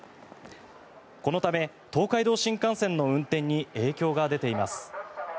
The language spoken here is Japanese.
このため東海道新幹線の運転に影響が出ています。